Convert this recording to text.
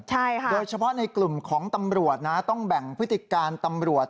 ใช่ค่ะโดยเฉพาะในกลุ่มของตำรวจนะต้องแบ่งพฤติการตำรวจ